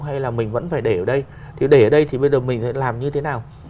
hay là mình vẫn phải để ở đây thì để ở đây thì bây giờ mình sẽ làm như thế nào